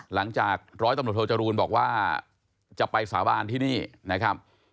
หลังจากร้อยตำรวจโทจรูลบอกว่าจะไปสาบานที่นี่นะครับ